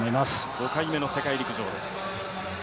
５回目の世界陸上です。